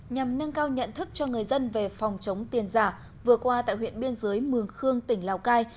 nhằm nâng cao nhận thức cho người dân về phòng chống tiền giả vừa qua tại huyện biên giới mường khương tỉnh lào cai